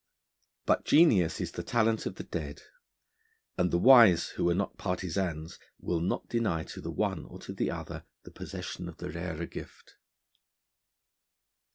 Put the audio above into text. But genius is the talent of the dead, and the wise, who are not partisans, will not deny to the one or to the other the possession of the rarer gift.